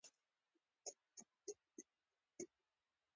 واوره د افغانستان د جغرافیایي موقیعت پایله ده.